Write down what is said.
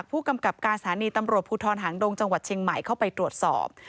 ผู้กำกับการสถานีตำรวจภูทรหางดงจังหวัดเชียงใหม่เข้าไปตรวจสอบ